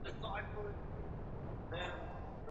ښه راتلونکی یوازي د با استعداده خلګو په واسطه نه سي جوړېدای.